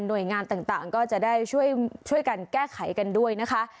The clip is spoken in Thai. โดยงานต่างก็จะได้ช่วยกันแก้ไขกันด้วยนะคะ